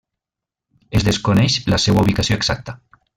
Es desconeix la seua ubicació exacta.